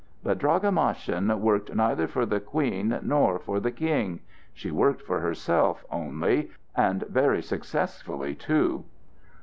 But Draga Maschin worked neither for the Queen, nor for the King; she worked for herself only, and very successfully too.